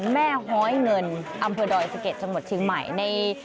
แม่ฮ้อยเงิน